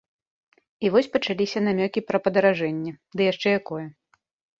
І вось пачаліся намёкі пра падаражэнне, ды яшчэ якое.